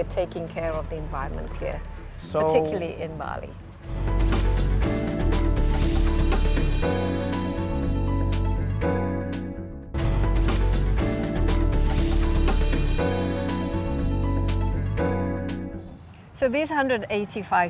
dan anda melakukan bisnis di sini